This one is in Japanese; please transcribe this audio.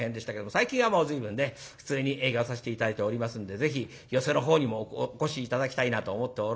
最近はもう随分ね普通に営業さして頂いておりますんでぜひ寄席のほうにもお越し頂きたいなと思っておるんですけれどもね。